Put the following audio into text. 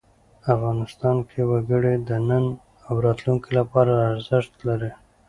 افغانستان کې وګړي د نن او راتلونکي لپاره ارزښت لري.